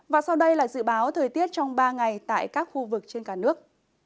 và sau đây là dự báo thời tiết trong ba ngày tại các khu vực trên cả nước